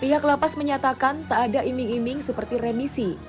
pihak lapas menyatakan tak ada iming iming seperti remisi